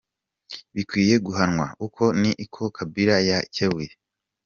bikwiye guhanwa", uko ni ko Kabila yakebuye.